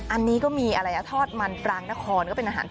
อันนี้ก็มีทอดมันปรางนคร